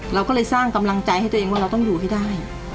เราก็เลยสร้างกำลังใจให้ตัวเองว่าเราต้องอยู่ให้ได้